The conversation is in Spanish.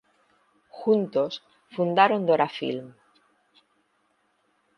Juntos fundaron Dora Film.